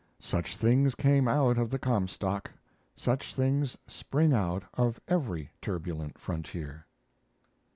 Such things came out of the Comstock; such things spring out of every turbulent frontier.